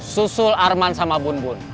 susul arman sama bun bun